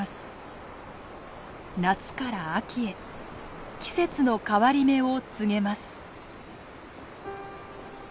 夏から秋へ季節の変わり目を告げます。